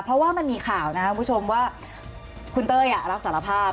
เดี๋ยวช่วงหน้ากลับมาเพราะว่ามันมีข่าวนะครับคุณเต้ยรับสารภาพ